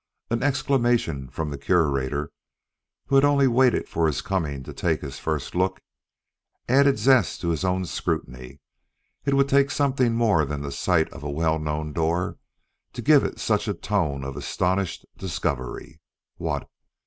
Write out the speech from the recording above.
An exclamation from the Curator, who had only waited for his coming to take his first look, added zest to his own scrutiny. It would take something more than the sight of a well known door to give it such a tone of astonished discovery. What?